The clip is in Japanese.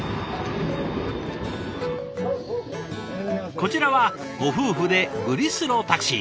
こちらはご夫婦でグリスロタクシー。